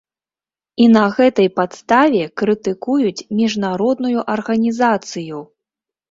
І на гэтай падставе крытыкуюць міжнародную арганізацыю!